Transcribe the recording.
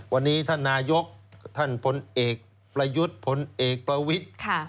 วันนี้ท่านนายกท่านพลเอกประยุทธ์พลเอกประวิทธิ์